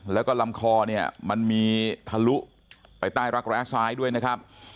แล้วก็ลำคอเนี่ยมันมีทะลุไปใต้รักแร้ซ้ายด้วยนะครับ